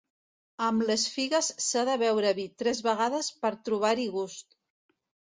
Amb les figues s'ha de beure vi tres vegades per trobar-hi gust.